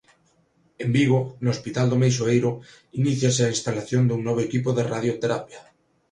En Vigo, no hospital do Meixoeiro, iníciase a instalación dun novo equipo de radioterapia.